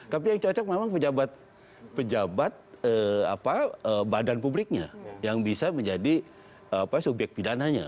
tapi yang cocok memang pejabat badan publiknya yang bisa menjadi subyek pidananya